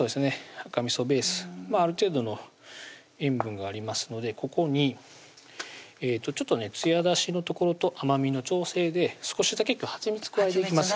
赤みそベースある程度の塩分がありますのでここにちょっとつや出しのところと甘みの調整で少しだけはちみつ加えていきます